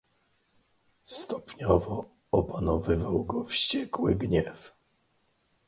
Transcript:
"Stopniowo opanowywał go wściekły gniew..."